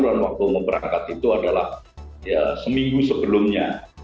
kalau mau berangkat itu adalah ya seminggu sebelumnya